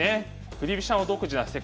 振り飛車の独自な世界。